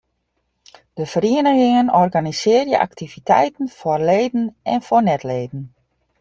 De ferieningen organisearje aktiviteiten foar leden en foar net-leden.